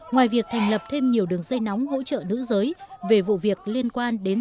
ngoài việc thành lập thêm nhiều đường dây nóng hỗ trợ nữ giới về vụ việc liên quan đến